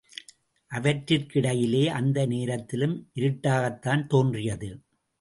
அவற்றிற்கிடையிலே அந்த நேரத்திலும் இருட்டாகத்தான் தோன்றியது.